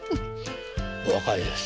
お若いです。